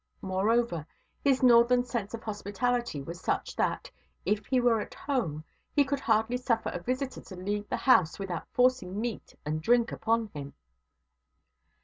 Moreover, his northern sense of hospitality was such that, if he were at home, he could hardly suffer a visitor to leave the house without forcing meat and drink upon him.